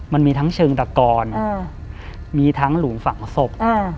มันมีทั้งเชิงตะกอนมีทั้งหลุมฝังศพ